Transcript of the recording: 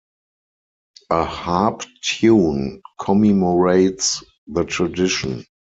A harp tune commemorates the tradition.